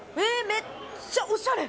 めっちゃおしゃれ。